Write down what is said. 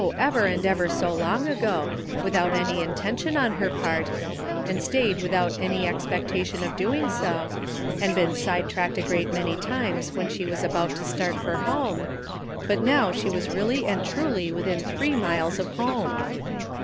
ever and ever so long ago, without any intention on her part, and staid without any expectation of doing so, and been s ide tracked a great many times when she was about to start for home, but that now she was really and truly within three miles of home